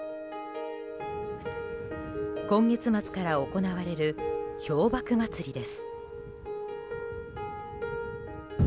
今月末から行われる氷瀑まつりです。